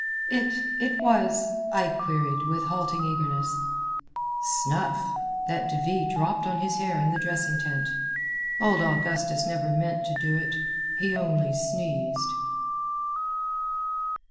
"It ... it was...?" I queried with halting eagerness. "Snuff—that De Ville dropped on his hair in the dressing tent. Old Augustus never meant to do it. He only sneezed."